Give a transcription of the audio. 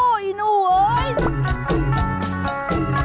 โอ้โหอีหนูเฮ้ย